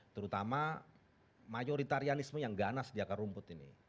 terutama mayoritarianisme yang ganas di akar rumput ini